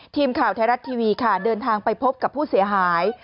ทีมข่าวไทยรัฐทีวีค่ะเดินทางไปพบกับผู้เสียหาย